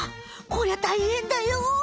こりゃ大変だよ！